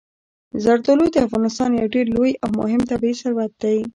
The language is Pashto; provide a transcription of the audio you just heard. زردالو د افغانستان یو ډېر لوی او مهم طبعي ثروت دی.